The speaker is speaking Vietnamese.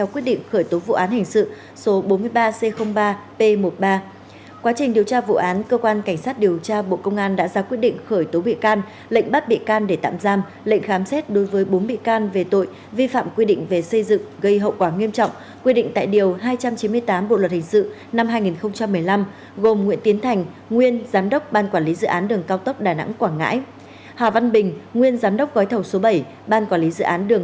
cơ quan cảnh sát điều tra bộ công an vừa ra quyết định khởi tố bốn bị can về hành vi phạm quy định về xây dựng gây hậu quả nghiêm trọng trong vụ án xảy ra tại tổng công ty đầu tư phát triển đường cao tốc việt nam ban quản lý dự án đường cao tốc đà nẵng quảng ngãi và các đơn vị có liên quan